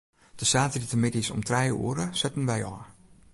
De saterdeitemiddeis om trije oere setten wy ôf.